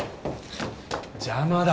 邪魔だ。